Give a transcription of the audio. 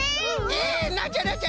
えなんじゃ？